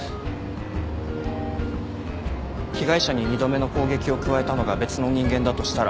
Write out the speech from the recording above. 被害者に２度目の攻撃を加えたのが別の人間だとしたら。